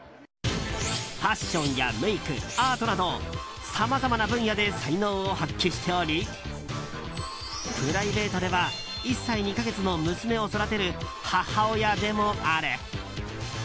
ファッションやメイクアートなどさまざまな分野で才能を発揮しておりプライベートでは１歳２か月の娘を育てる母親でもある。